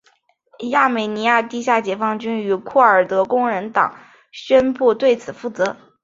亚美尼亚地下解放军与库尔德工人党宣布对此负责。